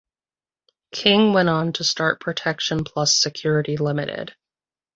King went on to start Protection Plus Security Limited.